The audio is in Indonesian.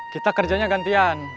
kita kerjanya gantian